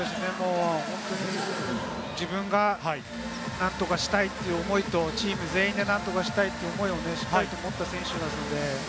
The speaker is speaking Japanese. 本当に自分が何とかしたいという思いと、チーム全員が何とかしたいという思いをしっかりと持った選手なので。